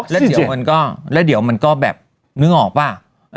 แล้วเดี๋ยวมันก็แล้วเดี๋ยวมันก็แบบนึกออกป่ะ